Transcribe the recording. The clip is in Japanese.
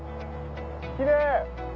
キレイ！